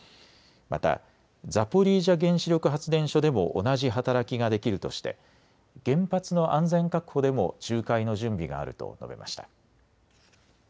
またザポリージャ原子力発電所でも同じ働きができるとして原発の安全確保でも仲介の準備があると述べました。